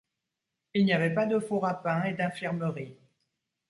Il n'y avait pas de four à pain et d'infirmerie.